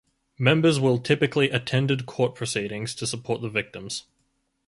Members will typically attended court proceedings to support the victims.